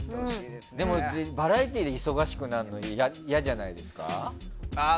でもバラエティーで忙しくなるの嫌じゃないですか？